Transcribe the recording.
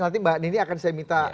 nanti mbak nini akan saya minta